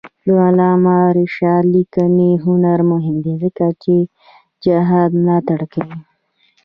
د علامه رشاد لیکنی هنر مهم دی ځکه چې جهاد ملاتړ کوي.